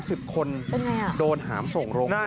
เป็นไงอ่ะโดนหามส่งโรงเรียน